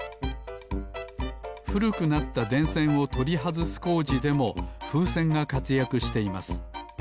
ふるくなったでんせんをとりはずすこうじでもふうせんがかつやくしています。